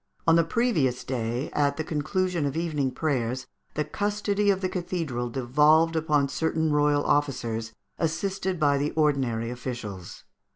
On the previous day, at the conclusion of evening prayers, the custody of the cathedral devolved upon certain royal officers, assisted by the ordinary officials.